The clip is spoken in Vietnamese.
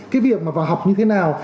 cái việc mà vào học như thế nào